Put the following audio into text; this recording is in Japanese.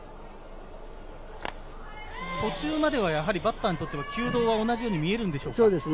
途中まではバッターにとって球道は同じように見えるんでしょうか？